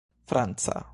franca